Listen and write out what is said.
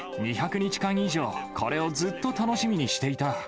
２００日間以上、これをずっと楽しみにしていた。